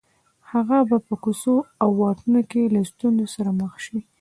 هغه به په کوڅو او واټونو کې له ستونزو سره مخ شي